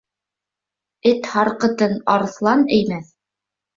Эт һарҡытын арыҫлан еймәҫ.